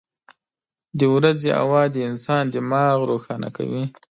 • د ورځې هوا د انسان دماغ روښانه کوي.